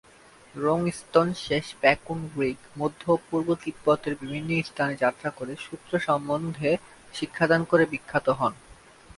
রোং-স্তোন-শেস-ব্যা-কুন-রিগ মধ্য ও পূর্ব তিব্বতের বিভিন্ন স্থানে যাত্রা করে সূত্র সম্বন্ধে শিক্ষাদান করে বিখ্যাত হন।